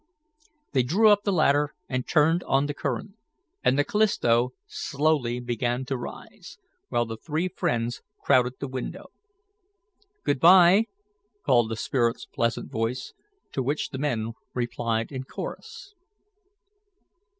They drew up the ladder and turned on the current, and the Callisto slowly began to rise, while the three friends crowded the window. "Good bye!" called the spirit's pleasant voice, to which the men replied in chorus.